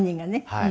はい。